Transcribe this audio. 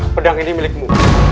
pedang ini milikmu